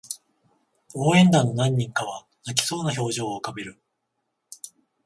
応援団の何人かは泣きそうな表情を浮かべる